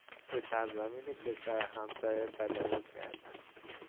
به سرزمین کشور همسایه تجاوز کردن